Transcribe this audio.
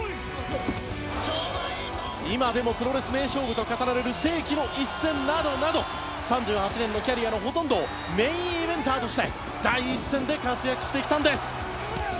今でもプロレス名勝負と語られる世紀の一戦などなど３８年のキャリアのほとんどをメインイベンターとして第一線で活躍してきたんです。